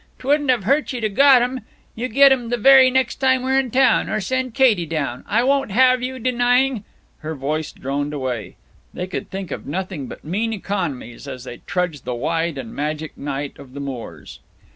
'Twouldn't have hurt you to got 'em. You get 'em the very next time we're in town or send Katie down. I won't have you denying " Her voice droned away. They could think of nothing but mean economies as they trudged the wide and magic night of the moors.